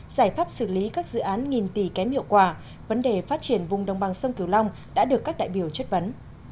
giải pháp xử lý các dự án nghìn tỷ kém hiệu quả vấn đề phát triển vùng đồng bằng sông kiều long đã được các đại biểu chất vấn